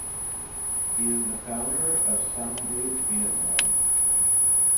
He is the founder of Sun Group Vietnam.